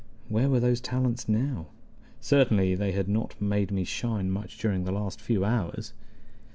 Where were those talents now? Certainly they had not made me shine much during the last few hours.